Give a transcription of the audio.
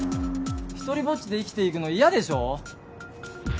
ひとりぼっちで生きていくの嫌でしょ？